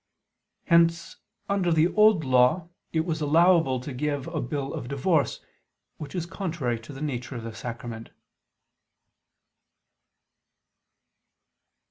Hence under the Old Law it was allowable to give a bill of divorce, which is contrary to the nature of the sacrament.